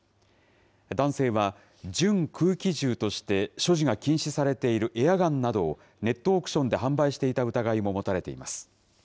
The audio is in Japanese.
男性は、準空気銃として所持が禁止されているエアガンなどをネットオークションで販売していた疑いも持たれています。